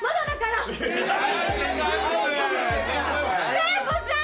聖子ちゃん！